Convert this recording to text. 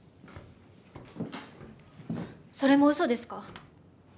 それもうそですか？